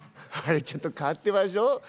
あれちょっと変わってましょう？」。